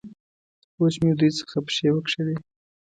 اوس مې د دوی څخه پښې وکښلې.